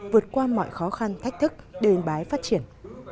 vượt qua mọi khó khăn thách thức để yên bái phát triển